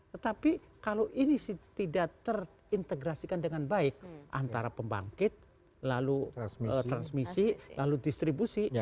tetapi kalau ini tidak terintegrasikan dengan baik antara pembangkit lalu transmisi lalu distribusi